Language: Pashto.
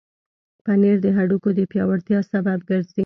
پنېر د هډوکو د پیاوړتیا سبب ګرځي.